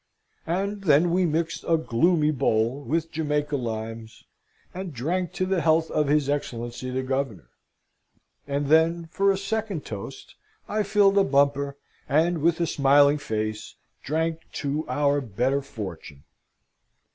And then we mixed a gloomy bowl with Jamaica limes, and drank to the health of his Excellency the Governor: and then, for a second toast, I filled a bumper, and, with a smiling face, drank to "our better fortune!"